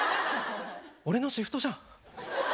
俺のシフトじゃん。